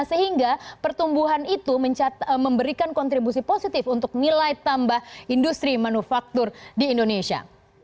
sehingga pertumbuhan itu memberikan kontribusi positif untuk nilai tambah industri manufaktur di indonesia